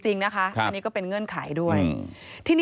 พบหน้าลูกแบบเป็นร่างไร้วิญญาณ